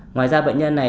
ngoài ra bệnh nhân này